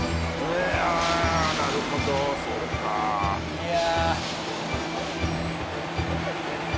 あなるほどそうか。いや。